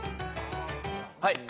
はい。